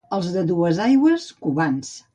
Els de Duesaigües, cubans.